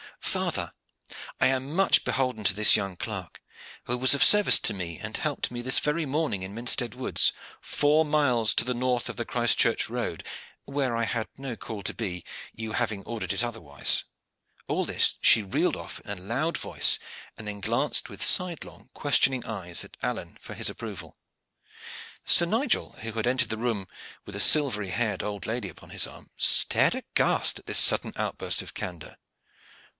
Father, I am much beholden to this young clerk, who was of service to me and helped me this very morning in Minstead Woods, four miles to the north of the Christchurch road, where I had no call to be, you having ordered it otherwise." All this she reeled off in a loud voice, and then glanced with sidelong, questioning eyes at Alleyne for his approval. Sir Nigel, who had entered the room with a silvery haired old lady upon his arm, stared aghast at this sudden outburst of candor.